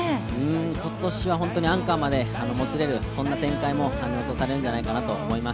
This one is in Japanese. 今年はアンカーまでもつれる、そんな展開も予想されるんじゃないかなと思います。